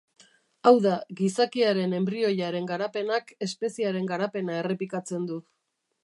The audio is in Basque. Hau da, gizakiaren enbrioiaren garapenak espeziearen garapena errepikatzen du.